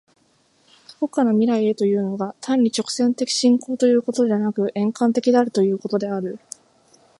過去から未来へというのが、単に直線的進行ということでなく、円環的であるということである。